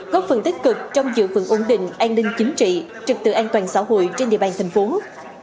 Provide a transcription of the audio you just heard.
góp phần tích cực trong giữ phần ổn định an ninh chính trị trực tự an toàn xã hội trên địa bàn tp hcm